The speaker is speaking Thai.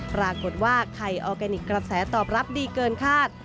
ปรากฏว่าไข่ออร์แกนิคกระแสตอบรับดีเกินคาด